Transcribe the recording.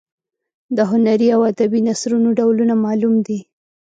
د هنري او ادبي نثرونو ډولونه معلوم دي.